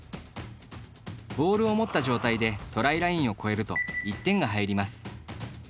ボールを持った状態でトライラインを越えると１点が入ります。